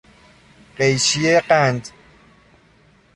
قیچی قند